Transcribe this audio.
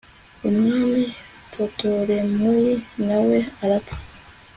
umwami putolemeyi na we arapfa